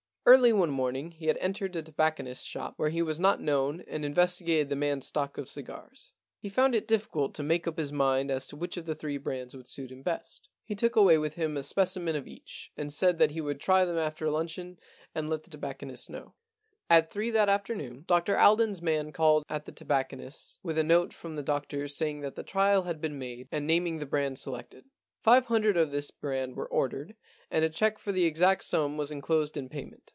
Early one morning he had entered a tobac conist's shop where he was not known and investigated the man's stock of cigars. He found it difficult to make up his mind as to which of three different brands would suit him best. He took away with him a specimen 174 The Alibi Problem of each, and said that he would try them after luncheon and let the tobacconist know. At three that afternoon Dr Alden's man called at the tobacconist's with a note from the doctor saying that the trial had been made and naming the brand selected. Five hundred of this brand were ordered, and a cheque for the exact sum was enclosed in payment.